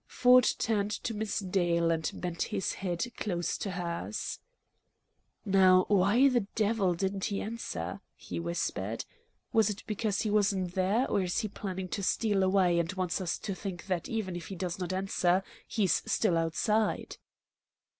Ford turned to Miss Dale and bent his head close to hers. "Now, why the devil didn't he answer?" he whispered. "Was it because he wasn't there; or is he planning to steal away and wants us to think that even if he does not answer, he's still outside?"